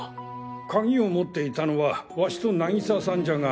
鍵を持っていたのはワシと渚さんじゃが。